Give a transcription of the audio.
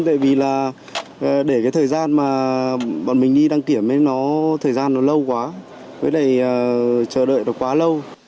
nhưng bọn mình đi đăng kiểm thì thời gian nó lâu quá với lại chờ đợi nó quá lâu